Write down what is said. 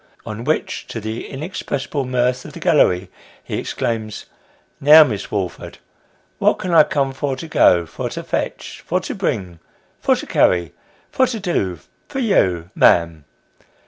" On which, to the inexpressible mirth of the gallery, ho exclaims, " Now, Miss Woolford, what can I come for to go, for to fetch, for to bring, for to carry, for to do, for you, ma'am?"